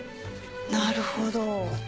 なるほど。